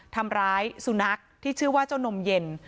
ทำร้ายสุนัขที่ชื่อว่าเจ้านมเย็น